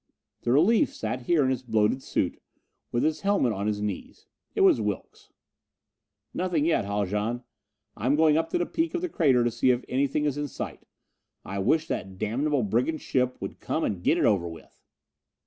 The relief sat here in his bloated suit, with his helmet on his knees. It was Wilks. "Nothing yet, Haljan. I'm going up to the peak of the crater to see if anything is in sight. I wish that damnable brigand ship would come and get it over with."